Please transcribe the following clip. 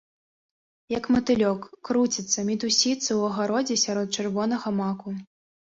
Як матылёк, круціцца, мітусіцца ў агародзе сярод чырвонага маку.